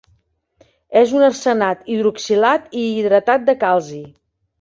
És un arsenat hidroxilat i hidratat de calci.